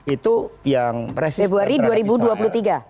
itu yang resisten terhadap israel